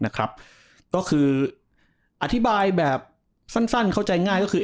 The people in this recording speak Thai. ก็คืออธิบายแบบสั้นเข้าใจง่ายก็คือ